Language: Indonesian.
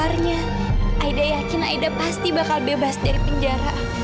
akhirnya aida yakin aida pasti bakal bebas dari penjara